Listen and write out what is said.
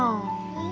うん？